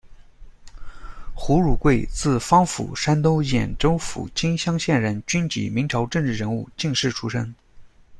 胡汝桂，字芳甫，山东兖州府金乡县人，军籍，明朝政治人物、进士出身。